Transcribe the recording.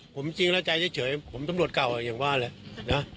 ผมจริงแล้วใจเฉยผมตำรวจเก่าอย่างว่าแหละนะ